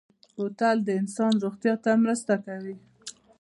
بوتل د انسان روغتیا ته مرسته کوي.